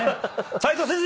齋藤先生